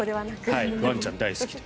ワンちゃん大好きで。